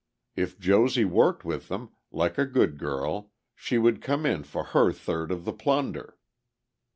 If Josie worked with them, like a good girl, she would come in for her third of the plunder.